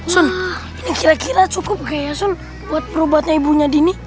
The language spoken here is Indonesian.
sun ini kira kira cukup gak ya sun buat perobatnya ibunya dini